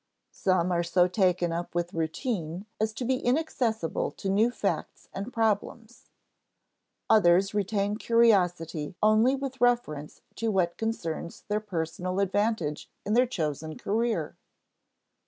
Some are so taken up with routine as to be inaccessible to new facts and problems. Others retain curiosity only with reference to what concerns their personal advantage in their chosen career.